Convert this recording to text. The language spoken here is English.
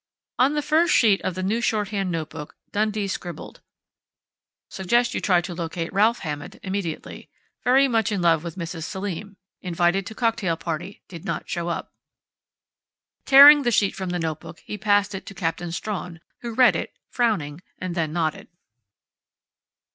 On the first sheet of the new shorthand notebook Dundee scribbled: "Suggest you try to locate Ralph Hammond immediately. Very much in love with Mrs. Selim. Invited to cocktail party; did not show up." Tearing the sheet from the notebook, he passed it to Captain Strawn, who read it, frowning, and then nodded.